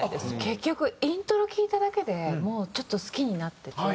結局イントロ聴いただけでもうちょっと好きになってて。